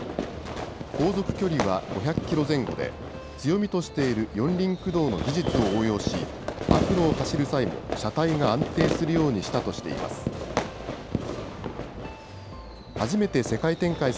航続距離は５００キロ前後で、強みとしている四輪駆動の技術を応用し、悪路を走る際も車体が安定するようにしたとしています。